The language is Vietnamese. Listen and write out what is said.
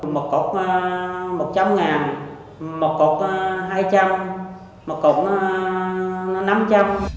một cọc một trăm linh ngàn một cọc hai trăm linh một cọc năm trăm linh